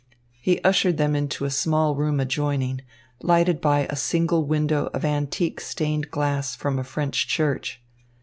He ushered them into a small room adjoining, lighted by a single window of antique stained glass from a French church.